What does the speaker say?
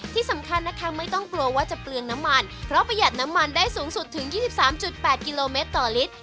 ที่สำคัญนะคะไม่ต้องกลัวว่าจะเปลืองน้ำมันเพราะประหยัดน้ำมันได้สูงสุดถึง๒๓๘กิโลเมตรต่อลิตร